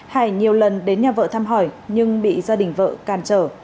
hải nhiều lần đến nhà vợ thăm hỏi nhưng bị gia đình vợ càn trở